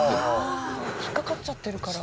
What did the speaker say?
引っ掛かっちゃってるから。